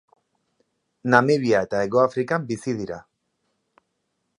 Namibia eta Hegoafrikan bizi dira.